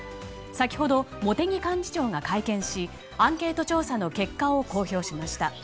先ほど、茂木幹事長が会見しアンケート調査の結果を公表しました。